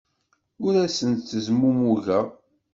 Ur asen-ttezmumugeɣ.